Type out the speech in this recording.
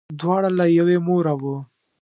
دواړه له یوې موره وه.